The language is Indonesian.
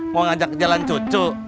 mau ngajak jalan cucu